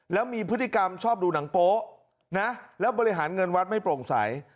แล้วมีพฤติกรรมชอบดูหนังโป๊ะนะแล้วบริหารเงินวัดไม่โปร่งใส